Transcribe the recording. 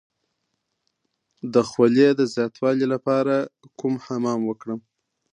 د خولې د زیاتوالي لپاره کوم حمام وکړم؟